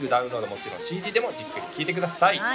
もちろんＣＤでもじっくり聴いてください